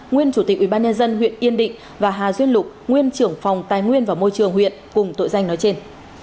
nguyên chủ tịch ủy ban nhân dân huyện yên định và hà duyên lục nguyên trưởng phòng tài nguyên và môi trường huyện cùng tội danh nói trên